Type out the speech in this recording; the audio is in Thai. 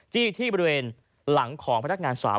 ที่บริเวณหลังของพนักงานสาว